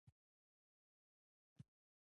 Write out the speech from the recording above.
خان زمان وویل، تاسې ټوله ورته محبوب یاست.